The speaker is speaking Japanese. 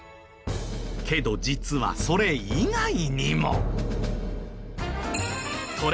けど実はそれ以外にも。